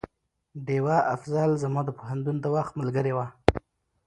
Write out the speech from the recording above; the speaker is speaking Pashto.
ډيوه افصل زما د پوهنتون د وخت ملګرې وه